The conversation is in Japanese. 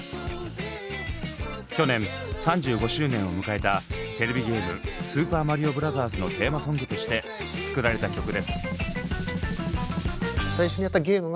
去年３５周年を迎えたテレビゲーム「スーパーマリオブラザーズ」のテーマソングとして作られた曲です。